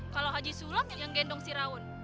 kalau haji sulam yang gendong si raun